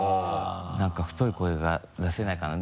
何か太い声が出せないかな？